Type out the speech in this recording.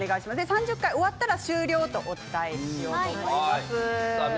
３０回終わったら終了！とお伝えしようと思います。